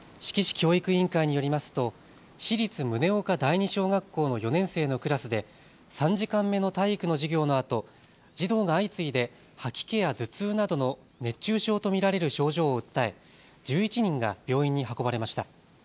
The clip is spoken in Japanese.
教育委員会によりますと市立宗岡第二小学校の４年生のクラスで３時間目の体育の授業のあと、児童が相次いで吐き気や頭痛などの熱中症と見られる症状を訴え１１人が病院に運ばれました。